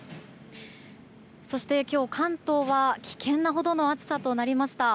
そして今日、関東は危険なほどの暑さとなりました。